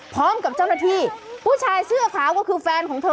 พร้อมกับเจ้าหน้าที่ผู้ชายเสื้อขาวก็คือแฟนของเธอ